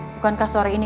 bukankah sore ini